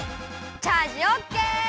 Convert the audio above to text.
チャージオッケー！